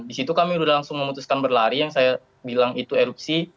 di situ kami sudah langsung memutuskan berlari yang saya bilang itu erupsi